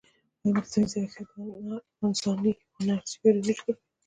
ایا مصنوعي ځیرکتیا د انساني هنر سیوری نه جوړوي؟